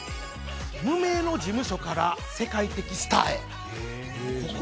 無名の事務所から世界的スターへ。